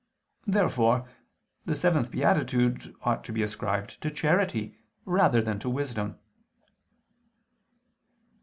Therefore the seventh beatitude ought to be ascribed to charity rather than to wisdom.